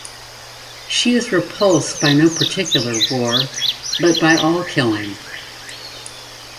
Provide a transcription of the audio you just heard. She is repulsed by no particular war, but by all killing.